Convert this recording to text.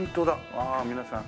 ああ皆さん。